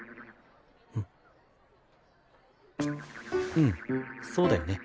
うんそうだよね。